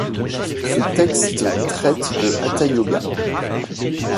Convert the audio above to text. Ce texte traite de haṭhayoga.